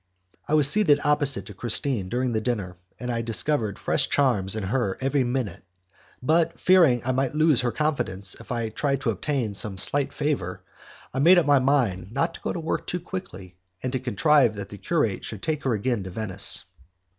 I was seated opposite to Christine during the dinner, and discovered fresh charms in her every minute, but, fearing I might lose her confidence if I tried to obtain some slight favour, I made up my mind not to go to work too quickly, and to contrive that the curate should take her again to Venice.